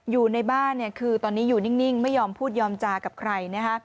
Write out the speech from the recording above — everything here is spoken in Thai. อยู่ในบ้านเนี่ยคือตอนนี้อยู่นิ่งไม่ยอมพูดยอมจากับใครนะคะ